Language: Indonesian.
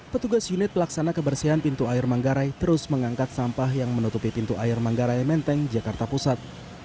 petugas unit pelaksana kebersihan pintu air manggarai terus mengangkat sampah yang menutupi pintu air manggarai menteng jakarta pusat